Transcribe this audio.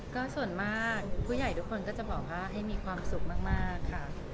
ก็ส่วนมากผู้ใหญ่ทุกคนก็จะบอกว่าให้มีความสุขมากค่ะ